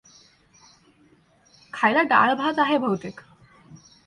खायला डाळ भात आहे बहुतेक.